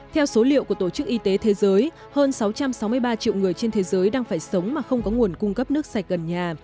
theo số liệu của tổ chức y tế thế giới hơn sáu trăm sáu mươi ba triệu người trên thế giới đang phải sống mà không có nguồn cung cấp nước sạch gần nhà